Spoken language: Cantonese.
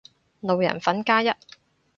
路人粉加一